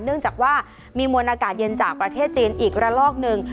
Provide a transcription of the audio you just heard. เนื่องจากว่ามีมวลอากาศเย็นจากประเทศจีนอีกระลอกหนึ่ง